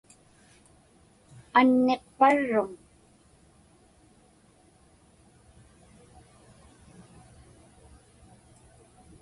Anniqparruŋ?